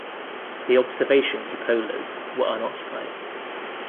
The observation cupolas were unoccupied.